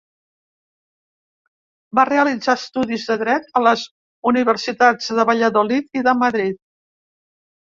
Va realitzar estudis de Dret a les Universitats de Valladolid i de Madrid.